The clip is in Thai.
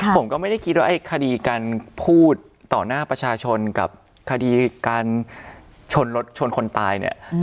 ผมก็ไม่ได้คิดว่าไอ้คดีการพูดต่อหน้าประชาชนกับคดีการชนรถชนคนตายเนี่ย